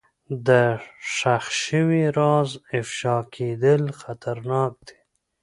د ښخ شوي راز افشا کېدل خطرناک دي.